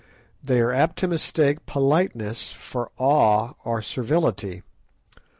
They are apt to mistake politeness for awe or servility.